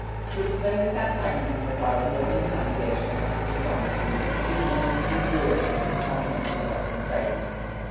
To explain this antagonism requires more than denunciation of dishonesty, ignorance, and boorishness as fundamental Western traits.